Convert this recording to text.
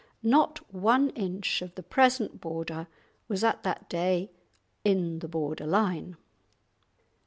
Not one inch of the present Border was at that day in the border line!